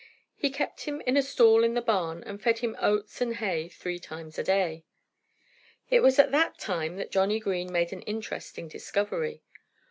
He kept him in a stall in the barn and fed him oats and hay three times a day. It was at that time that Johnnie Green made an interesting discovery.